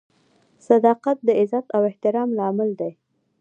• صداقت د عزت او احترام لامل دی.